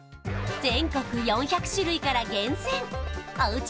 全国４００種類から厳選おうち